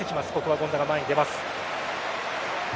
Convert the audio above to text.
権田が前に出ます。